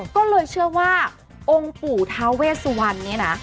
ก็เลยเชื่อว่าองค์ปู่ทาเวสวันเนี่ยนะ